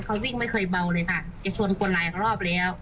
เขาวิ่งไม่เคยเบาเลยค่ะจะชนคนหลายรอบแล้ว